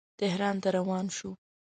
تهران ته روان شو.